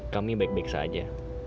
kami baik baik saja